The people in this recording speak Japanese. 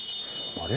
あれ？